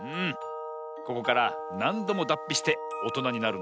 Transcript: ここからなんどもだっぴしておとなになるんだ。